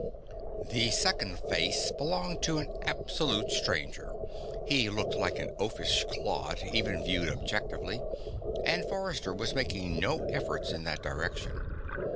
The second face belonged to an absolute stranger. He looked like an oafish clod, even viewed objectively, and Forrester was making no efforts in that direction.